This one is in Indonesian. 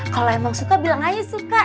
kalau emang suka bilang aja suka